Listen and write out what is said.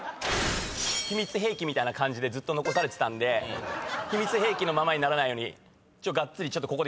秘密兵器みたいな感じでずっと残されてたんで秘密兵器のままにならないようにここで決めたいと思いますね。